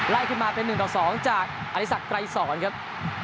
ไล่ขึ้นมาเป็น๑๒จากอริสักไกรศรครับ